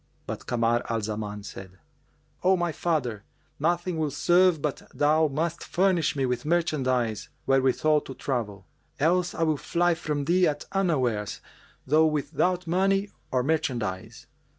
But Kamar al Zaman said, "O my father, nothing will serve but thou must furnish me with merchandise wherewithal to travel; else will I fly from thee at unawares though without money or merchandise.